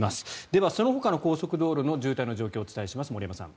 では、そのほかの高速道路の渋滞の状況をお伝えします。